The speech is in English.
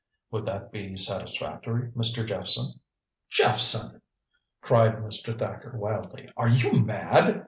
Would that be satisfactory, Mr. Jephson?" "Jephson," cried Mr. Thacker wildly. "Are you mad?